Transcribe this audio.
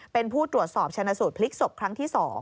เป็นผู้ตรวจสอบชนะสูตรพลิกศพครั้งที่๒